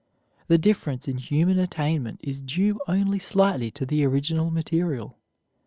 The difference in human attainment is due only slightly to the original material.